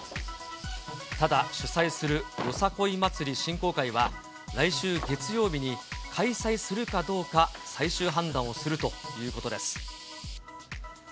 ただ、主催するよさこい祭振興会は、来週月曜日に開催するかどうか、最終判断をするということです。